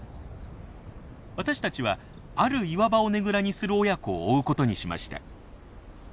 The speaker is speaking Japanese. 私たちはある岩場をねぐらにする親子を追うことにしました。